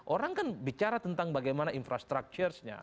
orang kan bicara tentang bagaimana infrastructuresnya